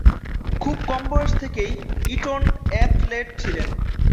খুব কম বয়স থেকেই ইটন অ্যাথলেট ছিলেন।